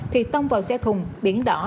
thì tông vào xe thùng biển đỏ